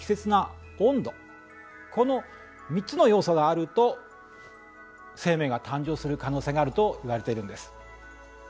この３つの要素があると生命が誕生する可能性があるといわれているんです。